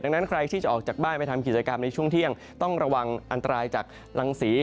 ดังนั้นใครที่จะออกจากบ้านไปทำกิจกรรมในช่วงเที่ยงต้องระวังอันตรายจากรังสี